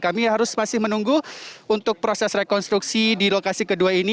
kami harus masih menunggu untuk proses rekonstruksi di lokasi kedua ini